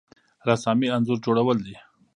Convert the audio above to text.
رسامي انځور جوړول دي